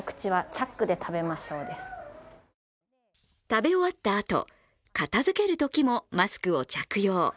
食べ終わったあと、片づけるときもマスクを着用。